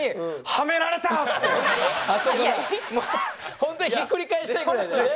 ホントにひっくり返したいぐらいだよね。